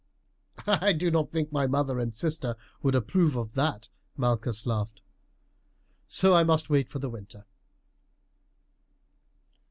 "I do not think my mother and sisters would approve of that," Malchus laughed; "so I must wait for the winter."